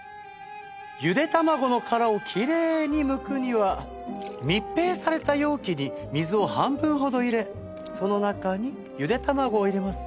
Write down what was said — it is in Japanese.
ゆで卵の殻をきれいにむくには密閉された容器に水を半分ほど入れその中にゆで卵を入れます。